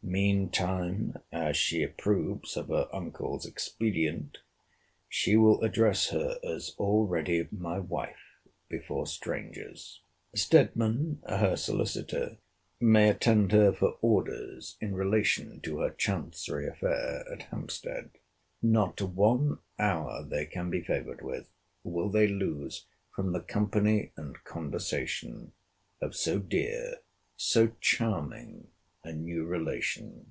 Mean time, as she approves of her uncle's expedient, she will address her as already my wife before strangers. Stedman, her solicitor, may attend her for orders in relation to her chancery affair, at Hampstead. Not one hour they can be favoured with, will they lose from the company and conversation of so dear, so charming a new relation.